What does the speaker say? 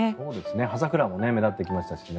葉桜も目立ってきましたしね。